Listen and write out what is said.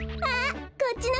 あっ。